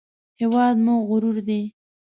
هېواد مو غرور دی